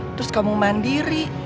terus kamu mandiri